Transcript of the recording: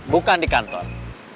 bukan di kantor